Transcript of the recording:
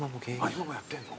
今もやってんの？